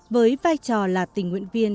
với vai trò là tình nguyện viên